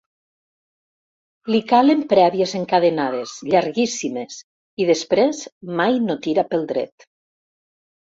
Li calen prèvies encadenades, llarguíssimes, i després mai no tira pel dret.